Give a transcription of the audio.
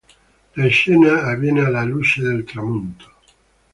La scena avviene alla luce del tramonto.